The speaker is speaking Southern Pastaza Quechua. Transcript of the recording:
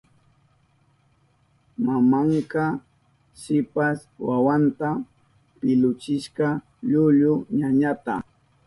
Mamanka shipas wawanta pilluchishka llullu ñañanta.